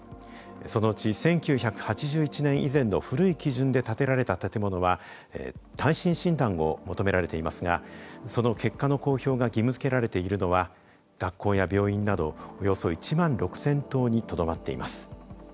そのうち１９８１年以前の古い基準で建てられた建物は耐震診断を求められていますがその結果の公表が義務付けられているのは学校や病院などおよそ１万６，０００棟にとどまっています。